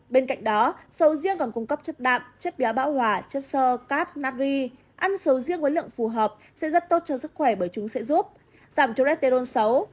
bên cạnh đó sầu riêng còn cung cấp chất đạm chất béo bão hỏa chất sơ cáp nát ri ăn sầu riêng với lượng phù hợp sẽ rất tốt cho sức khỏe bởi chúng sẽ giúp giảm cholesterol xấu